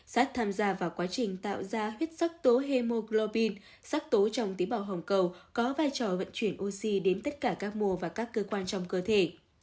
sắt tham gia vào quá trình tạo ra huyết sắc tố hemoglobin sắc tố trong tí bào hồng cầu có vai trò vận chuyển oxy đến tất cả các mùa và các cơ quan trong cơ thể